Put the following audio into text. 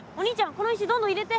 この石どんどん入れて。